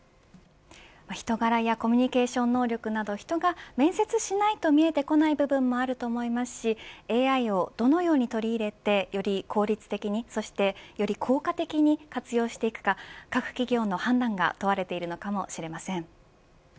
人柄やコミュニケーション能力など人が面接しないと見えてこない部分もあると思いますしＡＩをどのように取り入れてより効率的に、そしてより効果的に活用していくか各企業の判断が問われているのかもしれません。